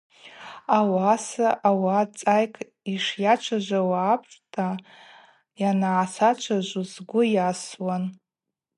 Ауаса ауат цӏайкӏ йшйачважвауа апшта йангӏасачважвуз сгвы йасуан.